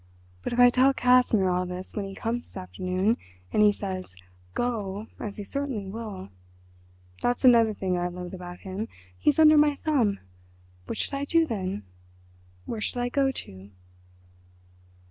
"But if I tell Casimir all this when he comes this afternoon, and he says, 'Go'—as he certainly will—that's another thing I loathe about him—he's under my thumb—what should I do then—where should I go to?"